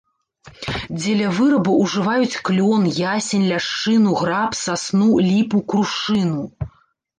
Дзеля вырабу ўжываюць клён, ясень, ляшчыну, граб, сасну, ліпу, крушыну.